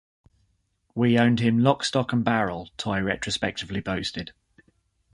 "We owned him lock, stock and barrel," Toye retrospectively boasted.